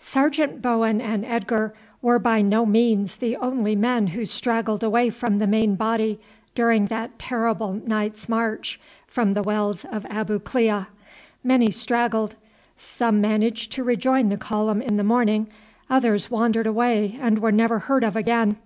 Sergeant Bowen and Edgar were by no means the only men who straggled away from the main body during that terrible night's march from the wells of Abu Klea. Many straggled; some managed to rejoin the column in the morning, others wandered away and were never heard of again.